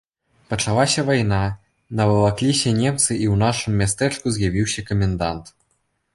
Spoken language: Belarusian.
Пачалася вайна, навалакліся немцы, і ў нашым мястэчку з'явіўся камендант.